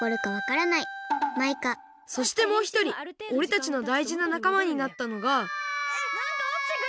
そしてもうひとりおれたちのだいじななかまになったのがえっなんかおちてくる。